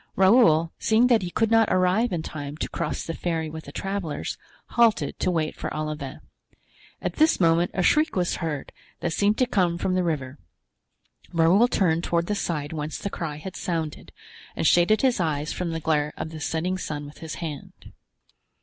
Raoul, seeing that he could not arrive in time to cross the ferry with the travelers, halted to wait for Olivain. At this moment a shriek was heard that seemed to come from the river. Raoul turned toward the side whence the cry had sounded, and shaded his eyes from the glare of the setting sun with his hand.